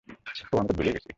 ওহ, আমি তো ভুলেই গেছি।